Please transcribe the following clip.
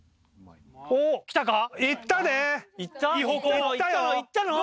行ったの？